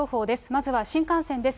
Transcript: まずは新幹線です。